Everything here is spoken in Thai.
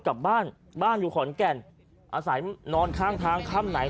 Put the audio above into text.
กลับบ้านบ้านอยู่ขอนแก่นอาศัยนอนข้างทางค่ำไหน